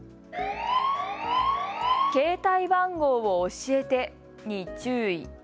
携帯番号を教えてに注意。